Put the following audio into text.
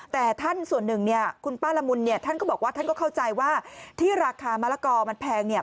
แต่ท่านส่วนหนึ่งเนี่ยคุณป้าละมุนเนี่ยท่านก็บอกว่าท่านก็เข้าใจว่าที่ราคามะละกอมันแพงเนี่ย